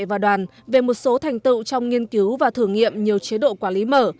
và đoàn về một số thành tựu trong nghiên cứu và thử nghiệm nhiều chế độ quản lý mở